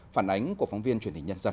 phản ánh của phóng viên truyền hình nhân dân